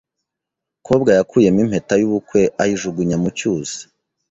Kobwa yakuyemo impeta yubukwe ayijugunya mu cyuzi.